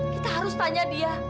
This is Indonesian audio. kita harus tanya dia